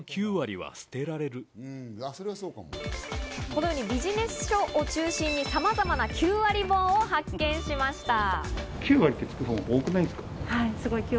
このようにビジネス書を中心にさまざまな９割本を発見しました。